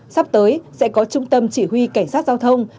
sắp tới sẽ có trung tâm chỉ huy cảnh sát giao thông